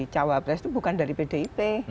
cawapres itu bukan dari pdip